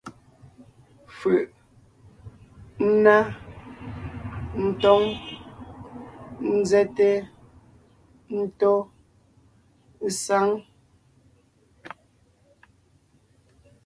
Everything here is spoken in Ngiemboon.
Fʉʼ: ńná, ńtóŋ, ńzɛ́te, ńtó, ésáŋ.